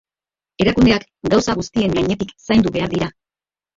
Erakundeak gauza guztien gainetik zaindu behar dira?